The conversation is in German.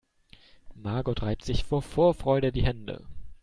Margot reibt sich vor Vorfreude die Hände.